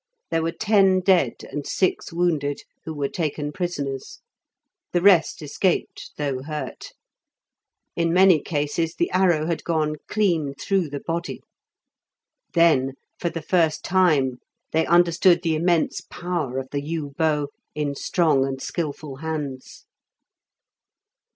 There were ten dead and six wounded, who were taken prisoners; the rest escaped, though hurt. In many cases the arrow had gone clean through the body. Then, for the first time, they understood the immense power of the yew bow in strong and skilful hands.